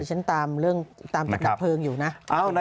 ก็จะตามเรื่องตามจังหกเฟิงอยู่นะ